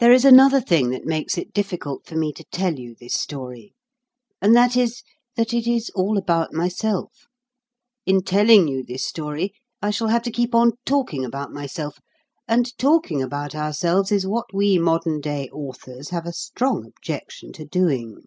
There is another thing that makes it difficult for me to tell you this story, and that is, that it is all about myself. In telling you this story, I shall have to keep on talking about myself; and talking about ourselves is what we modern day authors have a strong objection to doing.